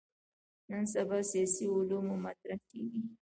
نن سبا سیاسي علومو مطرح کېږي.